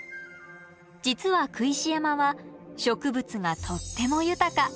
実は工石山は植物がとっても豊か。